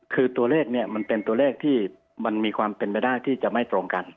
คือตัวเลขเนี่ยมันเป็นตัวเลขที่มันมีความเป็นไปได้ที่จะไม่ตรงกัน